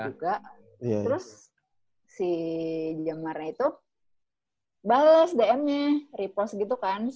terus si jamar itu bales dm nya repost gitu kan